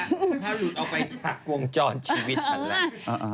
ถ้าหลุดออกไปจากวงจรชีวิตฉันแล้ว